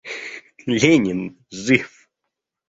Ленин — жив.